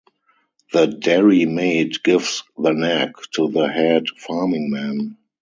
The dairymaid gives the neck to the head farming-man.